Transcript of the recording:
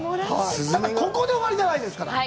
ここで終わりじゃないですから。